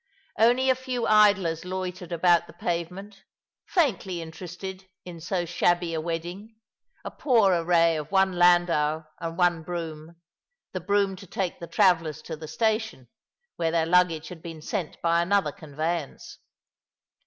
Only a few idlers loitered about the pave ment, faintly interested in so shabby a wedding — a poor array of one landau and one brougham, the brougham to take the travellers to the station, where their luggage had been sent by another conveyance.